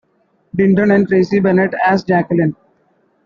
Dindon and Tracie Bennett as Jacqueline.